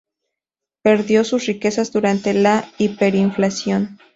Perdió sus riquezas durante la hiperinflación.